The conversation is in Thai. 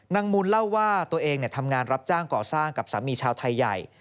มูลเล่าว่าตัวเองทำงานรับจ้างก่อสร้างกับสามีชาวไทยใหญ่